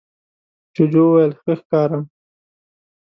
جوجو وویل ښه ښکارم؟